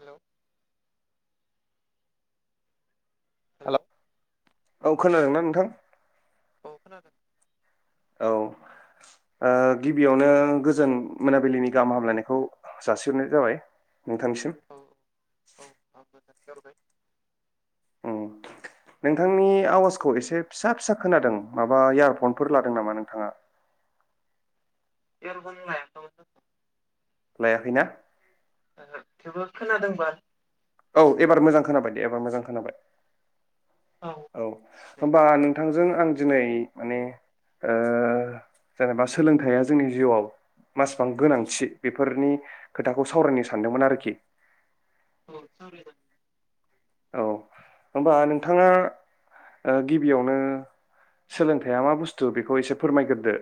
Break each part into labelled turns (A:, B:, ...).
A: Hello hello
B: [unintelligible] औ खोनादोंना नोंथां
A: औ खोनादों
B: औ ओ गिबियावनो गोजोन मोनाबिलिनि गाहाम हामलायनायखौ जासिहरनाय जाबाय नोंथांसिम
A: हरबाय
B: नोंथांनि आवाजखौ एसे फिसा फिसा खोनादों माबा इयारफनफोर लादों नामा नोंथाङा
A: इयारफन लायाखैमोन दस'
B: लायाखैना
A: ओहो थेवबो खोनादोंबा
B: औ एबार मोजां खोनाबाय दे एबार मोजां खोनाबाय औ
A: दे
B: होमबा नों थांजों आं दिनै माने ओ जेनेबा सोलोंथाइया जोंनि जिउआव मासबां गोनांथि बेफोरनि खोथाखौ सावरायनो सानदोंमोन आरोखि
A: औ सावरायजा
B: औ होमबा नोंथाङा ओ गिबियावनो सोलोंथाया मा बुस्थु बेखौ एसे फोरमायगोरदो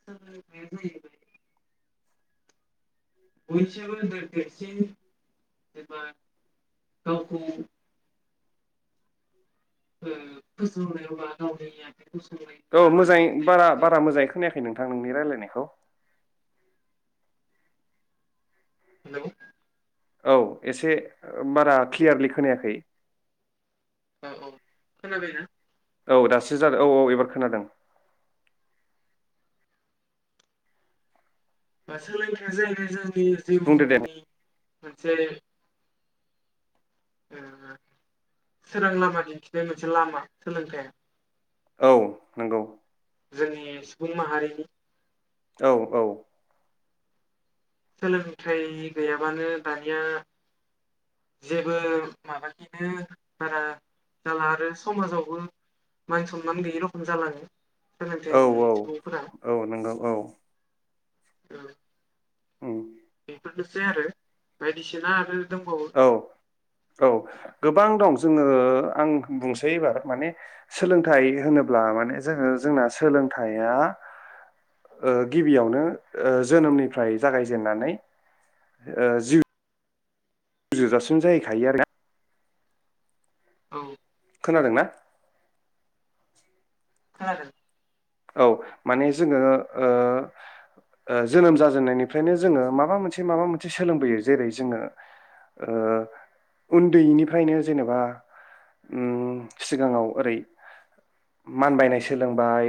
A: सोलोंथाइया जाहैबाय [unintelligible] देरसिन एबा गावखौ ओ फोजौनायावबा गावनि [unintelligible]
B: औ
A: लामा
B: मोजाङै
A: दिन्थिनाय
B: बारा
A: मोनसे
B: बारा मोजाङै खोनायाखै नोंथां नोंनि राय्लायनायखौ
A: हेलौ
B: औ एसे बारा क्लियारलि खोनायाखै
A: औ औ खोना बायना
B: औ दासो जादों औ औ एबार खोनादों
A: ओ सोलोंथाइ जों होयो जोंनि
B: बुंदो दे
A: मोनसे उम सोरां लामा दिन्थिनाय मोनसे लामा सोलोंथाइआ
B: औ नंगौ
A: जोंनि सुबुं माहारिनि
B: औ औ
A: सोलोंथाइ गैयाबानो दानिया जेबो माबाखिनो बारा जाला आरो समाजावबो मान सनमान गैयि रखम जालाङो सोलोंथाइ
B: औ
A: गैयै
B: औ
A: सुबुंफोरा
B: औ नंगौ औ
A: औ
B: उम
A: बेफोरनोसै आरो बायदिसिना आरो दंबावो
B: औ औ गोबां दं जोङो आं बुंसै एबार माने सोलोंथाइ होनोब्ला माने जोङो जोंना सोलोंथाइया ओ गिबियावनो ओ जोनोमनिफ्राय जागायजेननानै जिउ जोबजासिम जाहैखायो आरोना
A: औ
B: खोनादों ना
A: खोनादों
B: औ माने जोङो ओ जोनोम जाजेननायनिफ्रायनो जोङो माबा मोनसे माबा मोनसे सोलोंबोयो जेरै जोङो ओ उन्दैनिफ्रायनो जेनेबा उम सिगाङाव ओरै मानबायनाय सोलोंबाय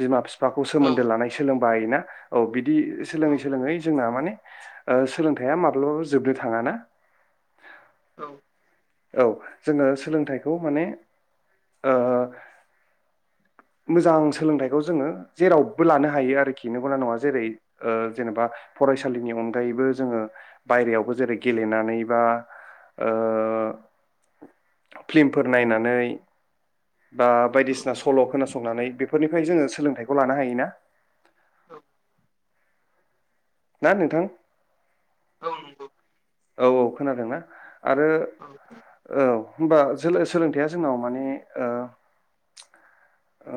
B: बिमा बिफ बिफाखौ
A: औ
B: सोन्दो लानाय सोलों बाय ना औ बिदि दि सोलोङै
A: औ
B: सोलोङै जोंना माने ओ सोलोंथाइया माब्लाबाबो जोबनो थाङा ना
A: औ
B: औ जोङो सोलोंथाइखौ माने ओ मोजां सोलोंथाइखौ जोङो जेरावबो लानो हायो आरोखि नंगौना नङा जेरै ओ जेनेबा फरायसालिनि अनगायैबो जोङो बायहेरावावबो जेरै गेलेनानै बा ओ फिल्मफोर नायनानै बा
A: औ
B: बायदिसिना सल' खोनासंनानै बेफोरनिफ्राय जोङो सोलोंथाइखौ लानो हायोना
A: औ
B: ना नोंथां
A: औ नंगौ
B: औ औ खोनादों ना आरो औ होमबा जोंना सोलोंथायाइया जोंनाव माने ओ ओ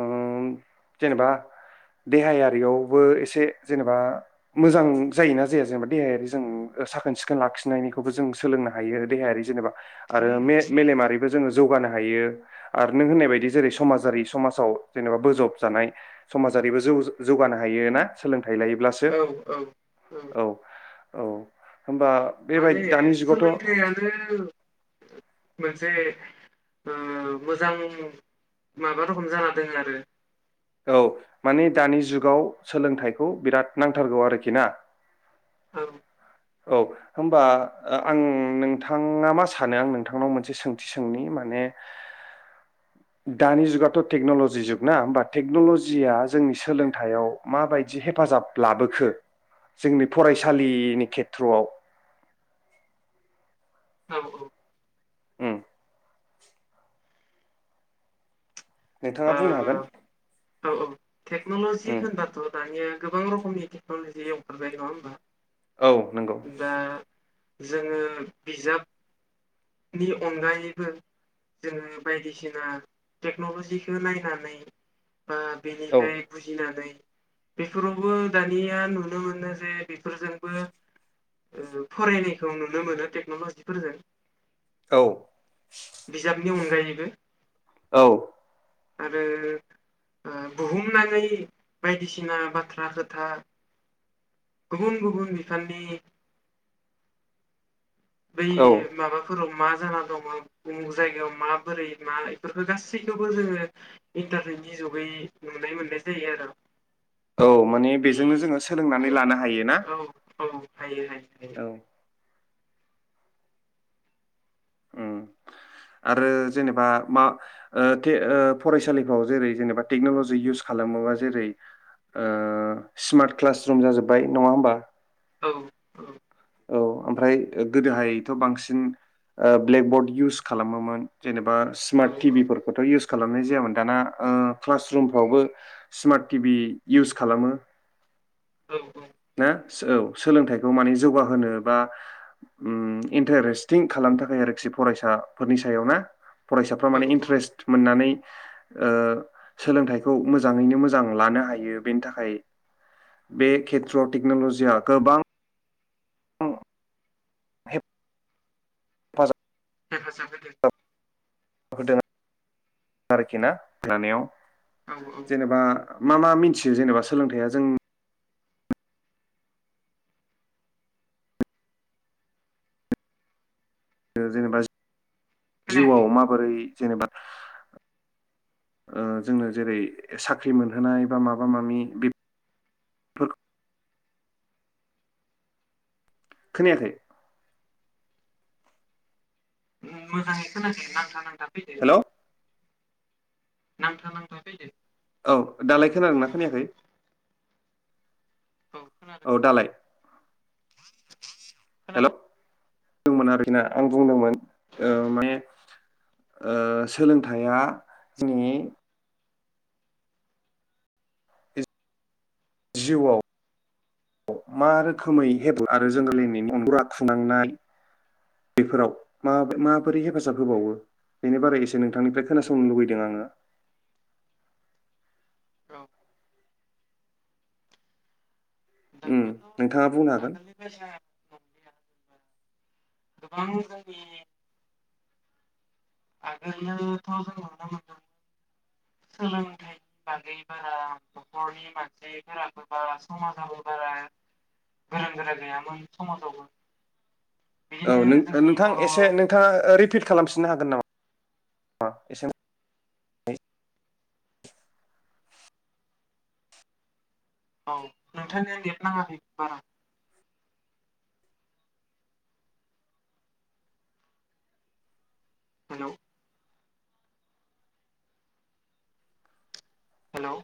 B: जेनेबा देहायारियावबो एसे जेनेबा मोजां जायोना जाया जेनेबा देहायारि जों साखोन-सिखोन खोन लाखिनायखौबो जों सोलोंनो हायो देहायारि जेनबा आरो मे मेलेमारिबो जौगानो हायो आरो नों होन्नायबादि जेरै समाजारि समाजाव जेन'बा बजबजानाय समाजारि बो जौगानो हायो ना सोलों थायलायोब्लासो
A: औ औ
B: औ औ होमबा बेबाय
A: माने
B: दानि जुगावथ'
A: सोलोंथाइयानो मोनसे उम मोजां माबा रोखोम जाना दङ आरो
B: औ माने दानि जुगाव सोलोंथाइखौ बिराद नांथारगौ आरोखि ना
A: औ
B: औ होनबा ओ आं नोंथाङा मा सानो आं नोंथांनाव मोनसे सोंथि सोंनि माने दानि जुगाथ' टेक्न'लजि जुग ना होमबा टेक्न'लजिया जोंनि सोलोंथाइआव माबायदि हेफाजाब लाबोखो जोंनि फरायसालिनि खेथ्र थ्र'आव
A: औ औ।
B: उम। नोंथाङा बुंनो हागोन।
A: ओ औ औ टेक्न'ल'जि
B: उम
A: होनबाथ' दानिया गोबां रखमनि टेक्न'लजि अंखारबाय नङा होम्बा।
B: औ नोंगौ।
A: जोङो बिजाब। नि अनगायैबो जोङो बायदिसिना टेक्न'ल'जिखो नायनानै। बा
B: औ
A: बेनिफ्राय बुजिनानै। बेफोरावबो दानिया नुनो मोनो जे बेफोरजोंबो ओ फरायनायखौ नुनो मोनो टेक्न'ल'जिफोरजों।
B: औ।
A: बिनि अनगायैबो।
B: औ।
A: आरो ओ बुहुमनाङै बायदिसिना बाथ्रा खोथा। गुबुन गुबुन बिफाननि। बै
B: औ
A: माबाफोराव। मा जाना दङ मा उमुग जायगायाव माबोरै मा इफोरखो जों सिखौबो इन्टारनेटनि जुगै नुनाय मोननाय जायो आर'।
B: औ माने बेजोंनो जोङो सोलोंनानै लानो हायो ना।
A: औ औ हायो हाय
B: औ। उम आरो जेनेबा मा ओ थे ओ फरायसालिफ्राव जेरै जेनेबा टेक्न'ल'जि इउस खालामोबा जेरै ओ स्मार्ट क्लास रुम जाजोब्बाय नङा होमबा।
A: औ औ।
B: औ ओमफ्राय ओ गोदोहायथ' बांसिन ओ ब्लेकबर्ड इउस खालामोमोन। जेनेबा
A: औ
B: स्मार्ट टिभिफोरखौथ' इउस खालामनाय जायामोन दाना ओ क्लास रुमफ्रावबो स्मार्ट टिभि इउस खालामो।
A: औ औ।
B: ना सोऔ सोलोंथाइखौ माने जौगाहोनो बा उम इन्टारेस्टिं खालामनो थाखाय आरोखि फरायसाफोरनि सायाव ना। फरायसाफ्रा
A: औ
B: माने
A: औ
B: इन्ट्रेस्ट मोननानै। ओ सोलोंथाइखौ मोजाङैनो मोजां लानो हायो बेनि थाखाय बेे खेद थ्र टिक्न'लजिया गोबां। फाजा
A: हेफाजाब होदो।
B: होदोन [inaudible] आरोखिना जानायाव।
A: औ औ
B: जेनेबा। मा मा मिन्थियो जेनेबा सोलोंथाइया जों ओ जेनेबा जि
A: खोनायाखै
B: जिउआव माबोरै। जेनेबा ओ जोंनो जेरै साख्रि मोनहोनाय बा माबा मामि बेफोरख खोनायाखै।
A: मोजाङै खोनाखै नांथानांगोन [unintelligible] दाफैदो।
B: हेलौ
A: नांथा नांथा फैद।
B: औ दालाय खोनादों ना खोनायाखै।
A: औ खोनादों
B: औ दालाय। ब [inaudible] हेल'।
A: खोनादों
B: दंमोन आरो ना आं बुंदोंमोन ओ माने ओ सोलोंथाइया जोंनि जिउआव मा रोखोमैे हेब आरो जोंगोरनि अनग्रा खुनांनाय बेफोराव म माबोरै हेफाजाब होबावो बेनि बारै एसे नोंथांनिफ्राय खोनासंनो लुबैदों आङो।
A: औ।
B: उम
A: दानियाथ'
B: नोंथाङा बुंनो हागोन
A: गो बां जोंनि आगोलनोथ' जों नुनो मोनदोंमोन सोलोंथाइनि बागै बारा न'खरनि मानसिफोराबो बारा समाजाबो बारा गोरों गोरा गैयामोन समाजावबो
B: औ
A: बिदिनो
B: नों
A: जोंनि
B: नोंथां
A: बर'
B: एसे नोंथाङा रिपिट खालामफिननो हागोन नामा। अ एसे [unintelligible]
A: औ नोंथांनिया नेट नाङाखै बारा। हेलौ '। हेलौ'।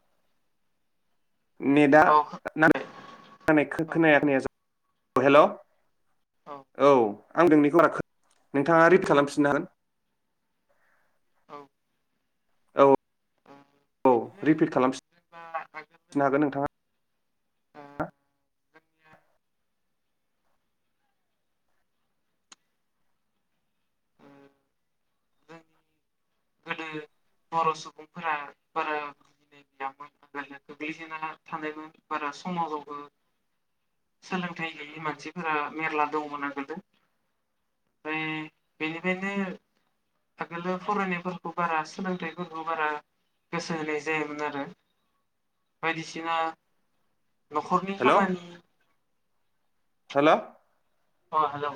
B: नेटआ
A: औ
B: नां नानै खोनाया खोनाय़ा
A: खोनाबाय
B: जा [unintelligible] औ हेल'। औ। आं नोंनैखौ राखो [unintelligible] नोंथाङा रिड
A: खोनादों
B: खालामफिननो हागोन।
A: औ।
B: औ।
A: ओ
B: औ
A: बिदिनो
B: रिपिट
A: जेनेबा आगोलो
B: खालामननो हागोन नोंथाङा
A: ओ
B: आ।
A: जोंनिया ओ जोंनि गोदो बर' सुबुंफोरा बारा भिनो गैयामोन आगोल गोग्लैसोना थानायमोन बारा समाजावबो सोलोंथाइ गैयि मानसिफोरा मेरला दंमोन आगोल ओमफ्राय बेनिफ्रायनो आगोलो फरायनाय फोरखौ बारा सोलोंथाइफोरखौ बारा गोसो होनाय जायामोन आरो बायदिसिना न'खरनि
B: हेल'
A: खामानि
B: हेल'।
A: अ हेलौ'।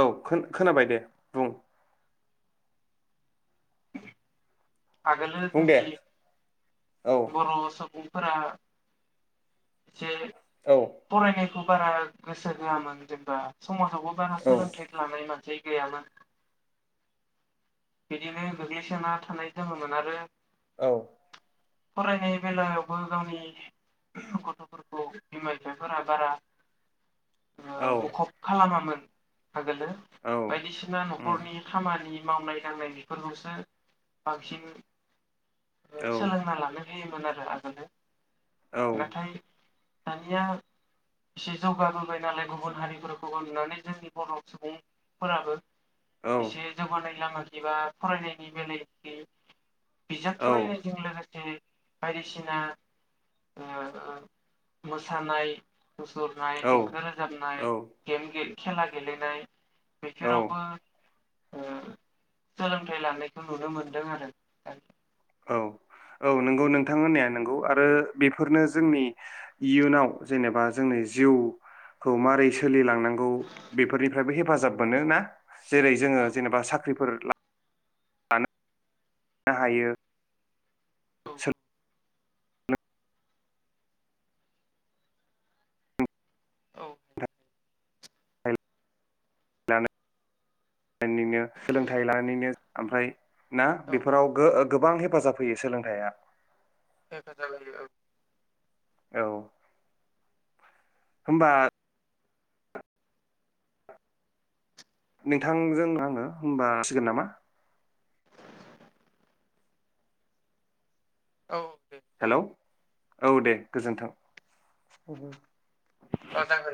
B: औ खोनाबाय दे बुं।
A: आगोलो
B: बुं दे
A: जोंनि
B: औ
A: बर' सुबुं फोरा एसे
B: औ
A: फरायनाय बारा गोसो होआमोन जेबबा समाजावबो बारा
B: औ
A: सोलोंथाइ लानाय मानसि गैयामोन। बिदिनो गोग्लैसोना थानाय जङोमोन आरो
B: औ।
A: फरायनाय बेलायावबो गावनि गथ'फोरखौ बिमा बिफाफोरा बारा ओ
B: औ
A: मुखुब खालामामोन। आगोलो
B: औ
A: बायदिसिना
B: उम
A: न'खरनि खामानि मावनाय गाननाय बेफोरखौसो बांसिन
B: औ
A: सोलोंना लानो बे मोन आरो आगोलो
B: औ
A: नथायाइ दानिया एसे जौगाबोबाय नालाय गुबुन हारिफोरखौबो नुनानै जोंनि बर' सुबुंफोराबो
B: औ
A: बेसे ज बानाय म एबा फरायनायनि बेलायाव बिजाब
B: औ
A: फरायनायजों लोगोसे बायदिसिना ओ मोसानाय ु सुरनाय देंखो
B: औ
A: रोजाबनाय गेम गेल खेला गेलेनाय
B: औ
A: बेसेरावबो ओ सोलोंथाइ लानायखौ नुनो मोनदों आरो दा
B: औ औ नंगौ नोंथां होननाया नोंगौ आरो बेफोरनो जोंनि इयुनाव जेनेबा जोंनि जिउखौ मारै सोलिलांनांगौ बेफोरनिफ्रायबो हेफाजाब मोनो ना जेरै जोङो
A: औ
B: जेनेबा साख्रिफोर [unintelligible] लानो हायो
A: औ।
B: [unintelligible] सोलोंथाइ लानानैनो ओमफ्राय ना
A: औ
B: बेफोराव गो गोबां हेफाजाब होयो सोलोंथायाइया
A: [unintelligible]
B: औ। होमबा नोंथांजों आङो होनोमबासिगोन नामा?
A: औ। दे
B: हेलौ
A: जागोन दे
B: औ दे गोजोन्थों।
A: औ जागोन